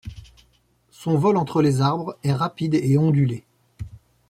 Son vol entre les arbres est rapide et ondulé.